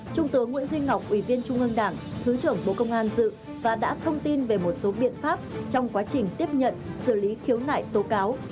trung tướng nguyễn duy ngọc ủy viên trung ương đảng thứ trưởng bộ công an dự và đã thông tin về một số biện pháp trong quá trình tiếp nhận xử lý khiếu nại tố cáo